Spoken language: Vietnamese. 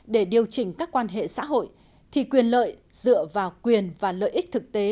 để điều chỉnh các quan hệ xã hội thì quyền lợi dựa vào quyền và lợi ích thực tế